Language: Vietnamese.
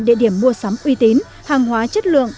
địa điểm mua sắm uy tín hàng hóa chất lượng